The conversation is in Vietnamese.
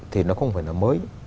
thì nó không phải là mới